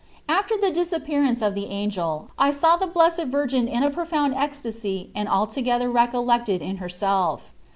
After the disappearance of the angel I saw the Blessed Virgin in a profound ecstasy and altogether recollected in her self.